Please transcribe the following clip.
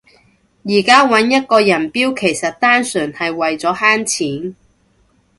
而家搵一個人標其實單純係為咗慳錢